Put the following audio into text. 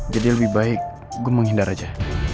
jadi lebih baik gue menghindar aja